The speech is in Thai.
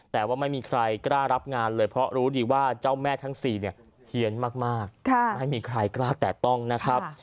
แต่ว่าไม่มีใครกล้ารับงานเลยเพราะรู้ดีว่าเจ้าแม่ทั้งสี่เนี่ยเฮียนมากไม่มีใครกล้าแตะต้องนะครับ